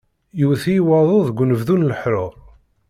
Yewwet-iyi waḍu deg unebdu n leḥrur!